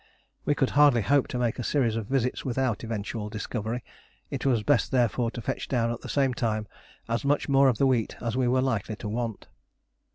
We could hardly hope to make a series of visits without eventual discovery; it was best therefore to fetch down at the same time as much more of the wheat as we were likely to want.